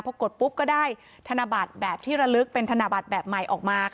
พอกดปุ๊บก็ได้ธนบัตรแบบที่ระลึกเป็นธนบัตรแบบใหม่ออกมา